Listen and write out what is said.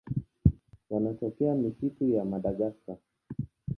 Wanatokea misitu ya Madagaska.